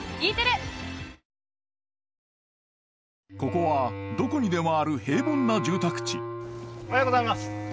ここはどこにでもある平凡な住宅地おはようございます。